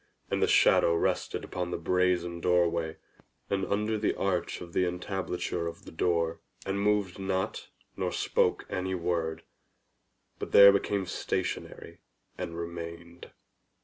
And the shadow rested upon the brazen doorway, and under the arch of the entablature of the door, and moved not, nor spoke any word, but there became stationary and remained.